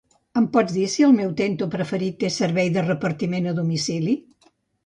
Em saps dir si el meu Tento preferit té servei de repartiment a domicili?